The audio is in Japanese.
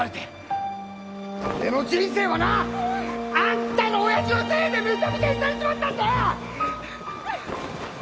俺の人生はなぁあんたの親父のせいでめちゃめちゃにされちまったんだよ！